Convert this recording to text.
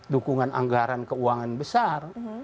dukungan anggaran keuangan besar